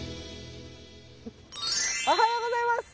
おはようございます。